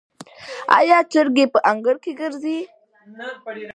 آیا چرګې په انګړ کې ګرځي؟